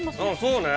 ◆そうね。